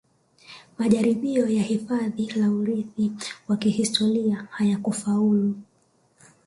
Majaribio ya hifadhi la urithi wa kihistoria hayakufaulu